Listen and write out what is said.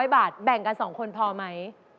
๑๒๕๐๐บาทแบ่งกันสองคนพอไหม